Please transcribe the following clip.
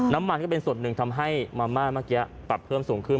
น้ำมันก็เป็นส่วนหนึ่งทำให้มาม่าเมื่อกี้ปรับเพิ่มสูงขึ้น